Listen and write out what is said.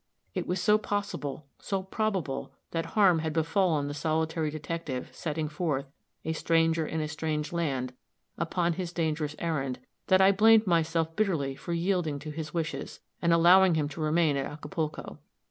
It was so possible, so probable, that harm had befallen the solitary detective, setting forth, "a stranger in a strange land," upon his dangerous errand, that I blamed myself bitterly for yielding to his wishes, and allowing him to remain at Acapulco.